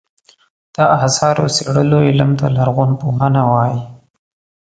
د اثارو څېړلو علم ته لرغونپوهنه وایې.